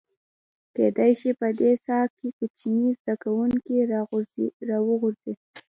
کېدای شي په دې څاه کې کوچني زده کوونکي راوغورځي.